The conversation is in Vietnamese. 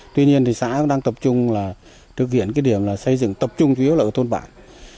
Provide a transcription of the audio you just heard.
tuy nhiên thì xã cũng đang tập trung là thực hiện cái điểm là xây dựng tập trung chủ yếu là ở thôn bản